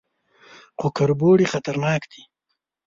_خو کربوړي خطرناکه دي.